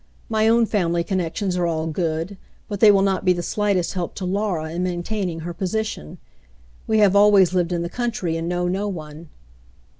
My own family con nections are all good, but they will not be the slightest help to Laura in maintaining her position. We have always lived in the country, and know no one."